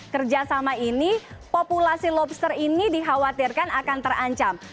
kerjasama ini populasi lobster ini dikhawatirkan akan terancam